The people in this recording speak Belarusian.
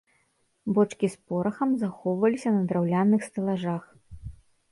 Бочкі з порахам захоўваліся на драўляных стэлажах.